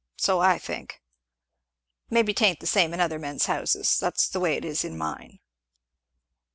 So I think. Maybe 'tain't the same in other men's houses. That's the way it is in mine."